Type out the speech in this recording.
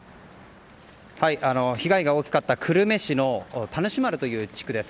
被害が大きかった久留米市田主丸町という地区です。